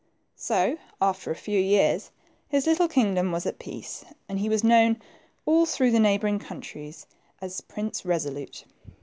So, after a few years, his little kingdom was at peace, and he was known all through the neighbor ing countries as Prince Resolute.